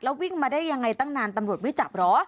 วิ่งมาได้ยังไงตั้งนานตำรวจไม่จับเหรอ